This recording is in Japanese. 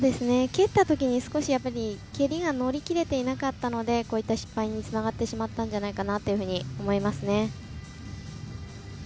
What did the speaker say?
蹴ったときに、少し蹴りが乗り切れていなかったのでこういった失敗につながってしまったんじゃないかなって思いますね。